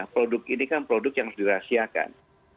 produk ini kan produk yang harus dirahasiakan